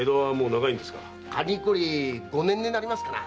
かれこれ五年になりますかな。